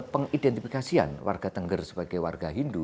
pengidentifikasian warga tengger sebagai warga hindu